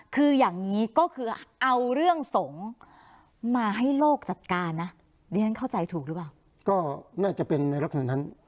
คืออย่างนี้ก็คือเอาเรื่องสงฆ์มาให้โลกจัดการนะดิฉันเข้าใจถูกหรือเปล่าก็น่าจะเป็นในลักษณะนั้น